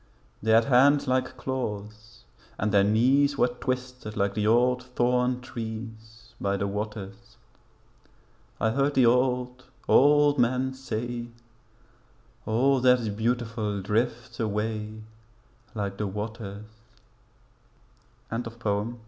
They had hands like claws, and their knees Were twisted like the old thorn trees By the waters. I heard the old, old men say 'All that's beautiful drifts away Like the waters.' UNDER THE MOON.